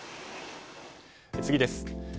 次です。